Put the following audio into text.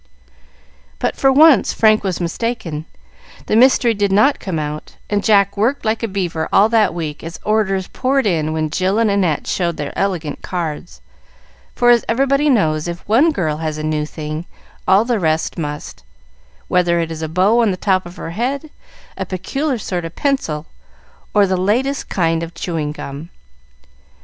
But for once Frank was mistaken; the mystery did not come out, and Jack worked like a beaver all that week, as orders poured in when Jill and Annette showed their elegant cards; for, as everybody knows, if one girl has a new thing all the rest must, whether it is a bow on the top of her head, a peculiar sort of pencil, or the latest kind of chewing gum.